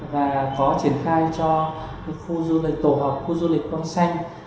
và có triển khai cho khu du lịch tổ hợp khu du lịch con xanh